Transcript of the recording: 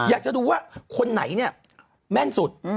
อยากจะดูว่าคนไหนเนี่ยแม่นสุด